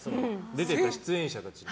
出てた出演者たちの。